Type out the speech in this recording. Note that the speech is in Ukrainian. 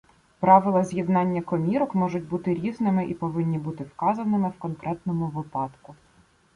Правила з'єднання комірок можуть бути різними і повинні бути вказаними в конкретному випадку.